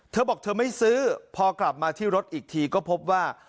เธอบอกเธอไม่ซื้อพอกลับมาที่รถอีกทีก็พบว่า